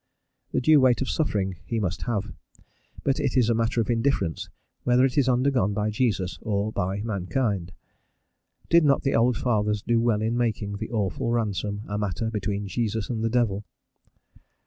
The due weight of suffering he must have, but it is a matter of indifference whether it is undergone by Jesus or by mankind. Did not the old Fathers do well in making the awful ransom a matter between Jesus and the devil?